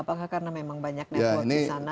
apakah karena memang banyak network di sana